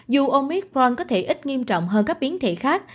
dù ôngitron có thể ít nghiêm trọng hơn các biến thể khác